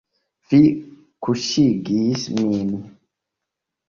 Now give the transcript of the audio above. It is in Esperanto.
Vi kuŝigis min.